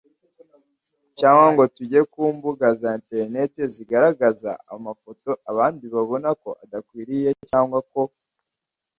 cyangwa ngo tujye ku mbuga za interineti zigaragaza amafoto abandi babona ko adakwiriye cyangwa ko